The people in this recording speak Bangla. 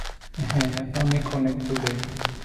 হ্যাঁ, অনেক অনেক দূরে।